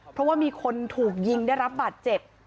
เพราะว่ามีคนถูกยิงได้รับบาดเจ็บ